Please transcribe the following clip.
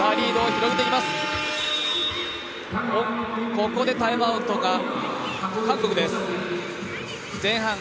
ここでタイムアウトが韓国です。